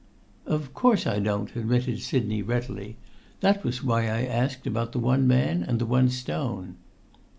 "Of course I don't," admitted Sidney readily. "That was why I asked about the one man and the one stone."